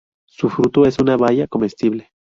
Su fruto es una baya comestible.